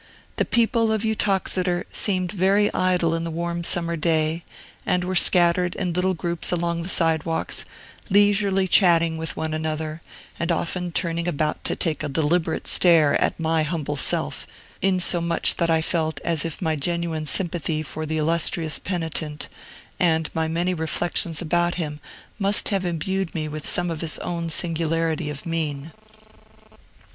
The people of Uttoxeter seemed very idle in the warm summer day, and were scattered in little groups along the sidewalks, leisurely chatting with one another, and often turning about to take a deliberate stare at my humble self; insomuch that I felt as if my genuine sympathy for the illustrious penitent, and my many reflections about him, must have imbued me with some of his own singularity of mien.